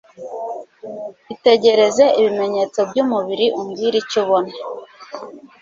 Itegereze ibimenyetso by'umubiri umbwire icyo ubona